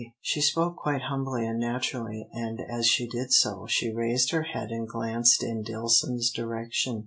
She spoke quite humbly and naturally, and, as she did so, she raised her head and glanced in Dillson's direction.